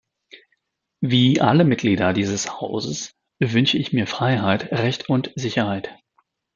Wie alle Mitglieder dieses Hauses wünsche ich mir Freiheit, Recht und Sicherheit.